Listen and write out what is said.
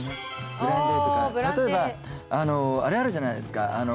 ブランデーっていうか例えばあれあるじゃないですか。